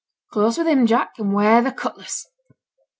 Close with him, Jack; and ware the cutlass.'